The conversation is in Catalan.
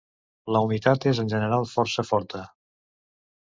La humitat és en general força forta.